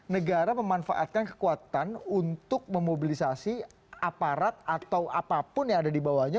negara memanfaatkan kekuatannya